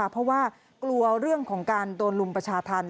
เพราะว่ากลัวเรื่องของการโดนลุมประชาธรรม